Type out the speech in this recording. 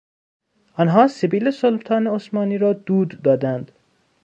آنها سبیل سلطان عثمانی را دود دادند.